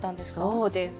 そうです。